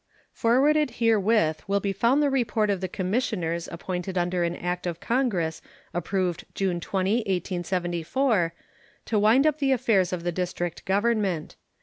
Forwarded herewith will be found the report of the commissioners appointed under an act of Congress approved June 20, 1874, to wind up the affairs of the District government.